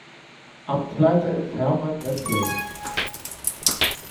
Amtsleiter ist Hermann Wessely.